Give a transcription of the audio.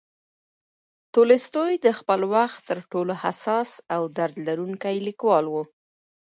تولستوی د خپل وخت تر ټولو حساس او درک لرونکی لیکوال و.